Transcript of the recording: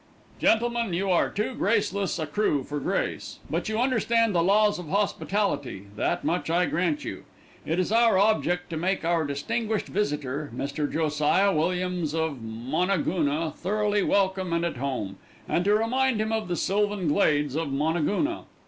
"Gentlemen, you are too graceless a crew for grace, but you understand the laws of hospitality, that much I grant you. It is our object to make our distinguished visitor, Mr. Josiah Williams of Moonagoona, thoroughly welcome and at home, and to remind him of the sylvan glades of Moonagoona."